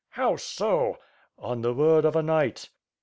"How so?" "On the word of a knight!"